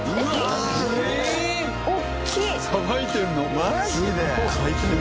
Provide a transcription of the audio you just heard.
マジで？